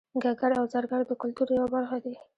ګګر او زرګر د کولتور یوه برخه دي